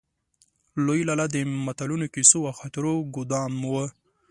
لوی لالا د متلونو، کيسو او خاطرو ګودام و.